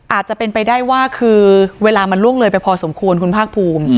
อาจจะเป็นไปได้ว่าคือเวลามันล่วงเลยไปพอสมควรคุณภาคภูมิ